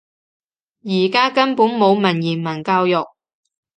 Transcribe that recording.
而家根本冇文言文教育